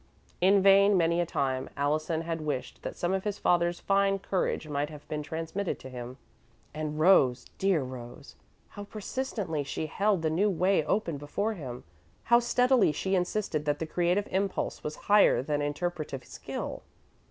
In vain, many a time, Allison had wished that some of his father's fine courage might have been transmitted to him. And Rose dear Rose! How persistently she held the new way open before him; how steadily she insisted that the creative impulse was higher than interpretative skill!